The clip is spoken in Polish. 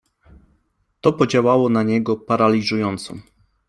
To podziałało na niego paraliżująco.